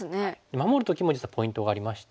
守る時も実はポイントがありまして。